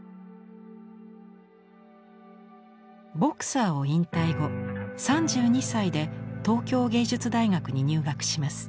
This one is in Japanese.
ボクサーを引退後３２歳で東京藝術大学に入学します。